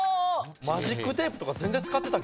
マジックテープとか。